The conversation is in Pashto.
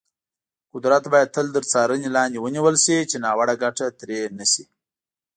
قدرت باید تل تر څارنې لاندې ونیول شي، چې ناوړه ګټه ترې نه شي.